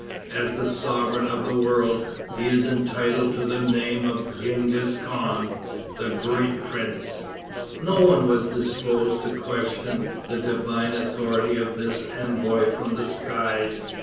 As the sovereign of the world, he is entitled to the name of Genghis Khan (the great prince)." No one was disposed to question the divine authority of this envoy from the skies.